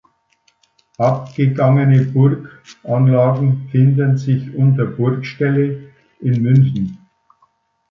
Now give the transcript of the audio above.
Abgegangene Burganlagen finden sich unter Burgställe in München